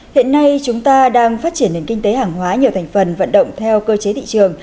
hiện nay chúng ta đang phát triển nền kinh tế hàng hóa nhiều thành phần vận động theo cơ chế thị trường